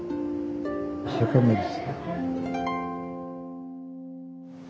一生懸命ですよ。